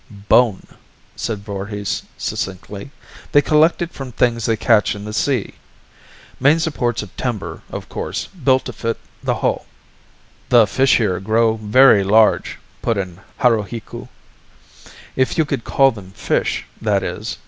"Bone," said Voorhis succinctly. "They collect it from things they catch in the sea. Main supports of timber, of course, built to fit the hull." "The fish here grow very large," put in Haruhiku. "If you could call them fish, that is.